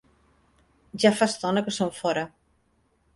Ja fa estona que són fora.